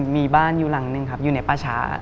มีบ้านอยู่หลังหนึ่งครับอยู่ในป่าช้า